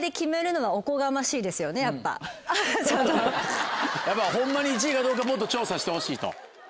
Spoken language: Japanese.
やっぱホンマに１位かどうかもっと調査してほしいと。